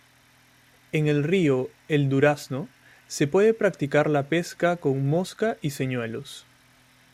En el Río "El Durazno" se puede practicar la pesca con mosca y señuelos.